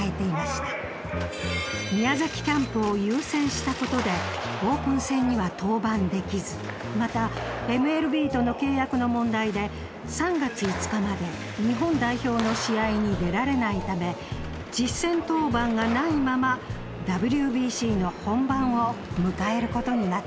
宮崎キャンプを優先した事でオープン戦には登板できずまたＭＬＢとの契約の問題で３月５日まで日本代表の試合に出られないため実戦登板がないままＷＢＣの本番を迎える事になってしまったのです。